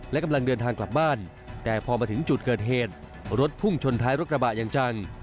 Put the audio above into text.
และกำลังเดินทางกลับบ้านแต่พอมาถึงจุดเกิดเหตุรถพุ่งชนท้ายรถกระบะอย่างจัง